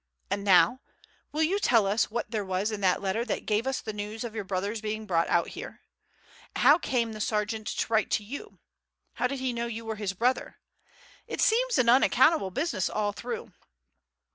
And now will you tell us what there was in that letter that gave us the news of your brother's being out here. How came the sergeant to write to you? How did he know you were his brother? It seems an unaccountable business all through."